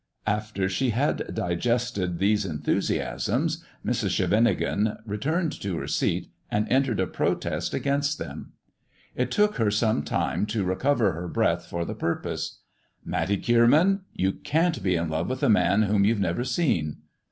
After she had digested these enthusiasms, Mrs. Scheven ingen returned to her seat, and entered a protest against them. It took her some time to recover her breath for the purpose. "Matty Kierman, you can't be in love with a man whom you've never seen."